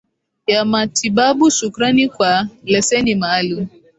ya matibabu shukrani kwa leseni maalum